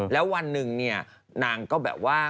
แล้ววันหนึ่งเนี่ยนางก็แบบว่า